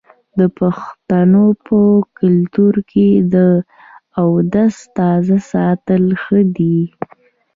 د پښتنو په کلتور کې د اودس تازه ساتل ښه دي.